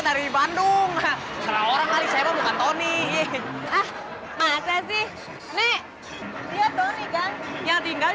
dari bandung orang orang kali saya bukan tony ah makasih nek dia tony kan yang tinggal di